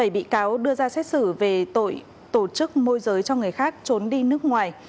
bảy bị cáo đưa ra xét xử về tội tổ chức môi giới cho người khác trốn đi nước ngoài